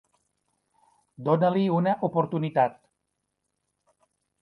Dóna-li una oportunitat.